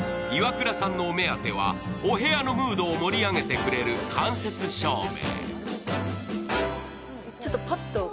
イワクラさんのお目当てはお部屋のムードを盛り上げてくれる間接照明。